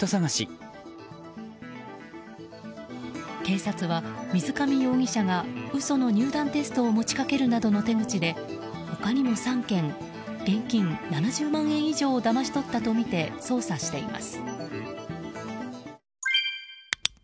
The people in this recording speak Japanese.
警察は水上容疑者が嘘の入団テストを持ち掛けるなどの手口で他にも３件現金７０万円以上をだまし取ったとみて捜査しています。